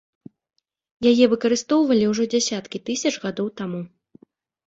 Яе выкарыстоўвалі ўжо дзясяткі тысяч гадоў таму.